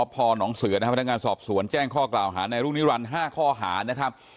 พนักงานสตว์นแจ้งข้อกล่าวหารในรุงนี้หวัน๕ข้อหานนะครับ